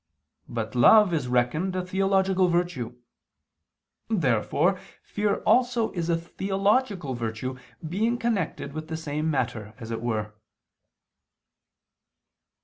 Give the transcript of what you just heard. But love is reckoned a theological virtue. Therefore fear also is a theological virtue, being connected with the same matter, as it were.